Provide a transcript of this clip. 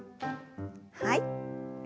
はい。